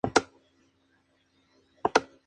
Alumna de Walker Evans y de Cartier-Bresson.